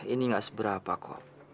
ini tidak seberapa kok